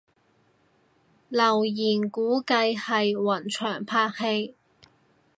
留言估計係雲翔拍戲